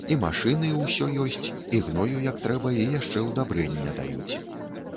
І машыны ўсё ёсць, і гною як трэба, і яшчэ ўдабрэння даюць.